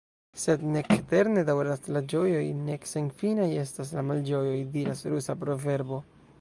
Sed « nek eterne daŭras la ĝojoj, nek senfinaj estas la malĝojoj », diras rusa proverbo.